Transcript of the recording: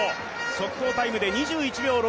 速報タイムで２１秒６８。